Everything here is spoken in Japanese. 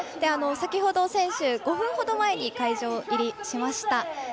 先ほど選手、５分ほど前に会場入りしました。